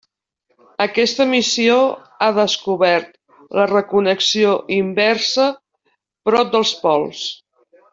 Aquesta missió ha descobert la 'reconnexió inversa' prop dels pols.